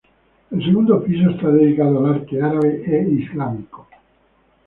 El segundo piso está dedicado al arte árabe e islámico.